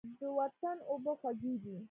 د وطن اوبه خوږې دي.